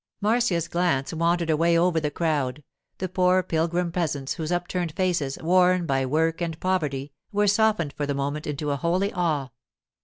Marcia's glance wandered away over the crowd—the poor pilgrim peasants whose upturned faces, worn by work and poverty, were softened for the moment into a holy awe.